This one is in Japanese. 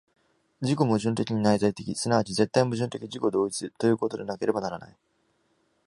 自己矛盾的に内在的、即ち絶対矛盾的自己同一ということでなければならない。